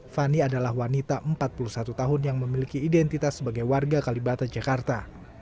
fani adalah wanita empat puluh satu tahun yang memiliki identitas sebagai warga kalibata jakarta